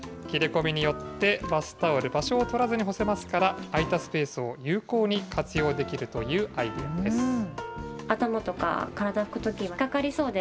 切れ込みによって、バスタオル、場所を取らずに干せますから、空いたスペースを有効に活用できるというアイデアです。